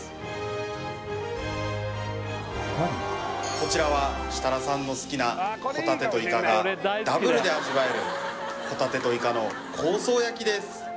こちらは設楽さんの好きなホタテとイカがダブルで味わえるホタテとイカの香草焼きです